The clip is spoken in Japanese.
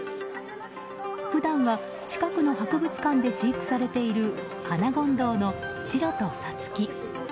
普段は近くの博物館で飼育されているハナゴンドウのシロとサツキ。